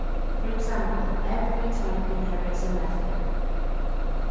For example, every type inherits a method.